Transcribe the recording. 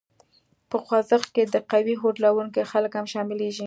په خوځښت کې د قوي هوډ لرونکي خلک هم شامليږي.